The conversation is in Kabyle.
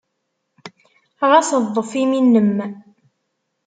Ɣas ḍḍef imi-nnem.